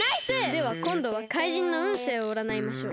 ではこんどはかいじんのうんせいをうらないましょう。